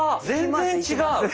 全然違う。